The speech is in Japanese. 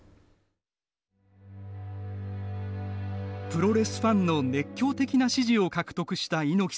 プロレスファンの熱狂的な支持を獲得した猪木さん。